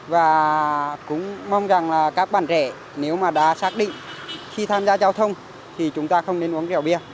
và cũng mong rằng là các bạn trẻ nếu mà đã xác định khi tham gia giao thông thì chúng ta không nên uống rượu bia